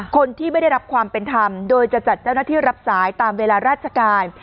คนที่ไม่ได้รับความเป็นธรรมโดยจะจัดเจ้าหน้าที่รับสายตามเวลาราชการ